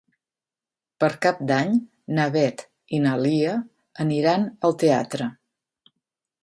Per Cap d'Any na Beth i na Lia aniran al teatre.